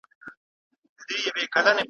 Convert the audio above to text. شالمار په وینو رنګ دی د مستیو جنازې دي `